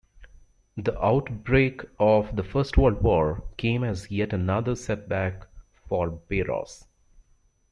The outbreak of the First World War came as yet another setback for Bayros.